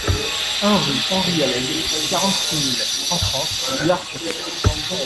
un rue Henri Alleg, quarante-six mille cent trente Biars-sur-Cère